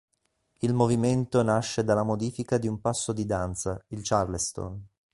Il movimento nasce dalla modifica di un passo di danza, il Charleston.